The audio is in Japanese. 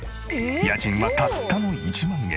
家賃はたったの１万円。